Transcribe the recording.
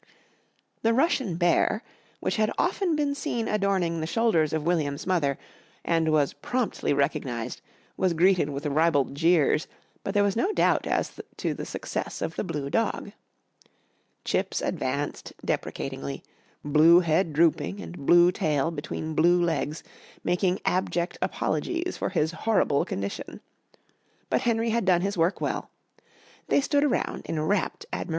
The Russian Bear, which had often been seen adorning the shoulders of William's mother and was promptly recognised, was greeted with ribald jeers, but there was no doubt as to the success of the Blue Dog. Chips advanced deprecatingly, blue head drooping, and blue tail between blue legs, making abject apologies for his horrible condition. But Henry had done his work well. They stood around in rapt admiration.